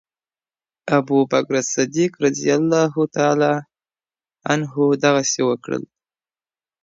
ابوبکر الصديق رضي الله تعالی عنه دغسي وکړل